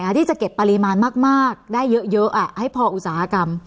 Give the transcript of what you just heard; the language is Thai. แต่ที่จะเก็บปริมาณมากมากได้เยอะเยอะอ่ะให้พออุตสาหกรรม